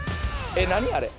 何あれ？